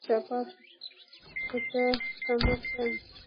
পাপা এটা summer camp.